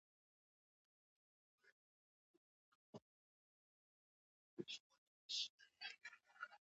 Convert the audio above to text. البته دا د مرکزي امریکا او اندوس هېوادونو په څېر دي.